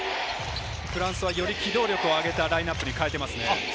フランスはより機動力を上げたラインナップに変えていますね。